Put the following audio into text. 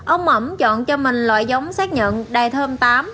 ông ẩm chọn cho mình loại giống xác nhận đài thơm tám